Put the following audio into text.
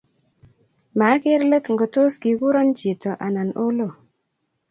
Maker let ngotos kikuro chito anan olo